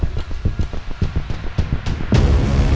mungkin gue bisa dapat petunjuk lagi disini